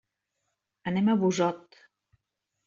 Anem a Busot.